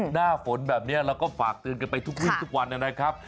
หน้าฝนแบบนี้เราก็ฝากเตือนกันไปทุกวี่ทุกวันนะครับ